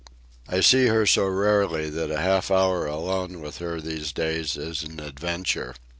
I see her so rarely that a half hour alone with her these days is an adventure.